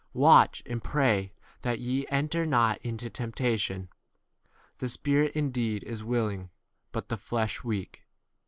"Watch and pray that ye enter not into temptation. The spirit indeed [is] willing, but the 39 flesh weak.